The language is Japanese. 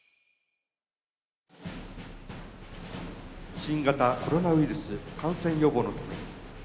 新型コロナウイルス感染予防のため。